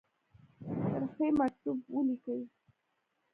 کرښې مکتوب ولیکی.